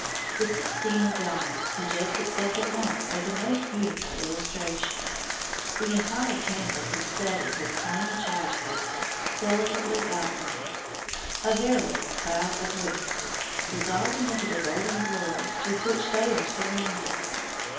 The Sistine Madonna suggests itself at once as a most beautiful illustration. The entire canvas is studded with tiny child faces, delicately outlined, a veritable cloud of witnesses, dissolving into the golden glory with which they are surrounded.